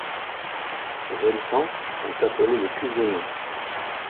Ses habitants sont appelés les Cuzionnais.